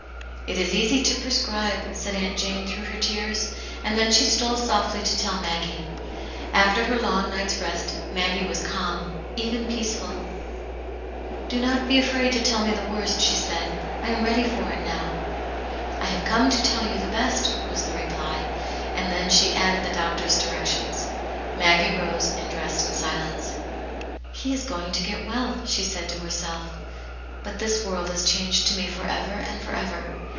" It is easy to prescribe," said Aunt Jane, through her tears, and then she stole softly to tell Maggie. After her Jong night's rest, Maggiv v as calm, even peaceful He save* —p \s» Aunt Jane's Ilero^ 153 *' Do not be afraid to tell me the worst/* she said. " I am ready for it now." " I have come to tell the best," was the reply. And then she added the doctor's directions. Maggie rose, and dressed in silence. " He is going to get well," she said to herself, " but this world is changed to me for ever and for ever.